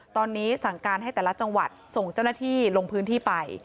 ตอนนี้สั่งการให้แต่ละจังหวัดส่งเจ้าหน้าที่ลงพื้นที่ไป